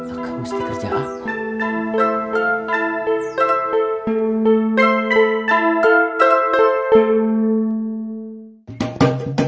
akang mesti kerja apa